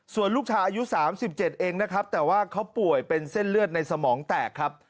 ส่วนลูกชายอายุ๓๗เองนะครับแต่ว่าเขาป่วยเป็นเส้นเลือดในสมองแตกครับ